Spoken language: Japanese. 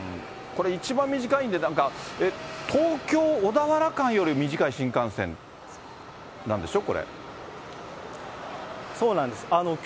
これ、一番短いんで、なんか、東京・小田原間より短い新幹線なんでしょ？